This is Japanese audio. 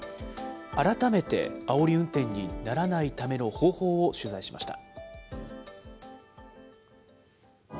改めてあおり運転にならないための方法を取材しました。